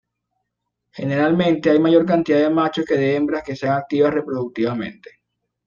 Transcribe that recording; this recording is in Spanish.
Generalmente hay mayor cantidad de machos que de Hembras que sean activas reproductivamente.